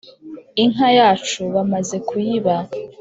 inka yacu bamaze kuyiba